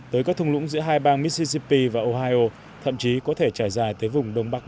tới các thung lũng giữa hai bang missisip và ohio thậm chí có thể trải dài tới vùng đông bắc